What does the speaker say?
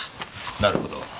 なるほど。